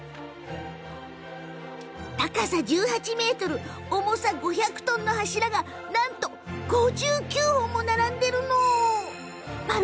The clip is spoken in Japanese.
高さ１８ｍ、重さ５００トンの柱がなんと５９本も並んでいます。